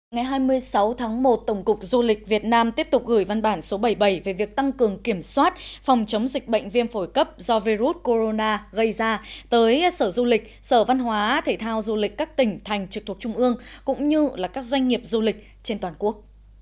ngày hai mươi sáu tháng một tổng cục du lịch việt nam tiếp tục gửi văn bản số bảy mươi bảy về việc tăng cường kiểm soát phòng chống dịch bệnh viêm phổi cấp do virus corona gây ra tới sở du lịch sở văn hóa thể thao du lịch các tỉnh thành trực thuộc trung ương cũng như các doanh nghiệp du lịch trên toàn quốc